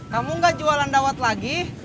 kamu gak jualan dawet lagi